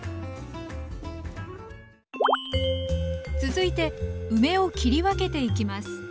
続いて梅を切り分けていきます。